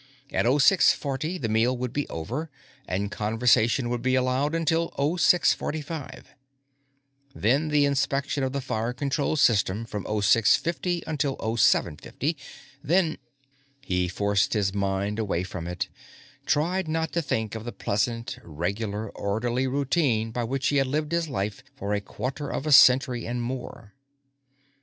At 0640, the meal would be over, and conversation would be allowed until 0645. Then, the inspection of the fire control system from 0650 until 0750. Then He forced his mind away from it, tried not to think of the pleasant, regular orderly routine by which he had lived his life for a quarter of a century and more.